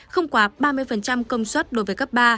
không quá ba mươi công suất đối với cấp ba